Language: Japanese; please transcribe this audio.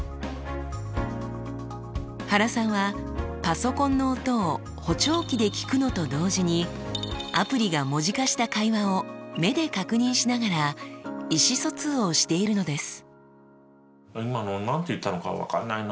原さんはパソコンの音を補聴器で聞くのと同時にアプリが文字化した会話を目で確認しながら意思疎通をしているのです。